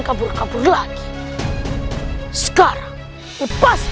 kabur kabur lagi sekarang lepas